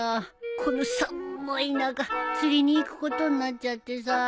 このさっむい中釣りに行くことになっちゃってさ。